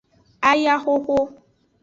Ayahoho.